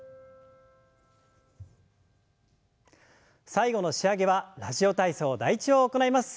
最後の仕上げは「ラジオ体操第１」を行います。